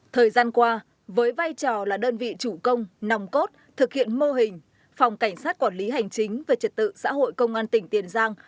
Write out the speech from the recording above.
thời gian qua với vai trò là đơn vị chủ công nòng cốt thực hiện mô hình phòng cảnh sát quản lý hành chính về trật tự xã hội công an tỉnh tiền giang